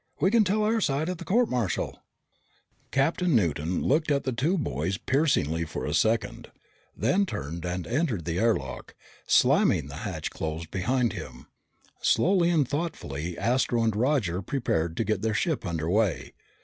We can tell our side at the court martial!" Captain Newton looked at the two boys piercingly for a second, then turned and entered the air lock, slamming the hatch closed behind him. Slowly and thoughtfully, Astro and Roger prepared to get their ship under way.